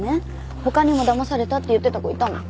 他にもだまされたって言ってた子いたもん。